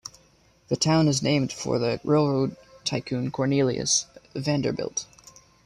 The town is named for the railroad tycoon Cornelius Vanderbilt.